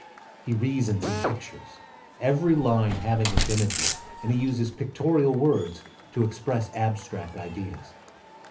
He reasons in pictures, every line having its imagery, and he uses pictorial words to express abstract ideas.